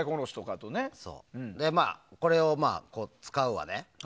それで、これを使うわね。